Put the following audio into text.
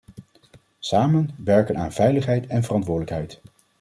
Samen werken aan veiligheid en verantwoordelijkheid.